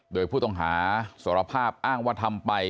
โดยผู้ต้องหาสารภาพอ้างว่าทำไป